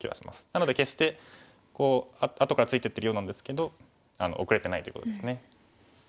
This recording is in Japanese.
なので決して後からついてってるようなんですけど後れてないということですね。